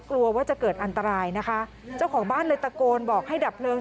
กลัวว่าจะเกิดอันตรายนะคะเจ้าของบ้านเลยตะโกนบอกให้ดับเพลิง